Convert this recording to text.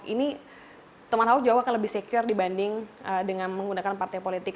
ini teman ahok jawa akan lebih secure dibanding dengan menggunakan partai politik